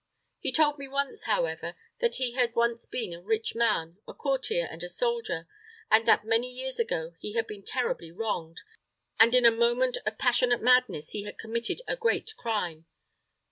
He told me, however, that he had once been a rich man, a courtier, and a soldier, and that many years ago he had been terribly wronged, and in a moment of passionate madness he had committed a great crime.